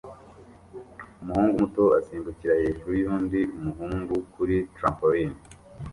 Umuhungu muto asimbukira hejuru yundi muhungu kuri trampoline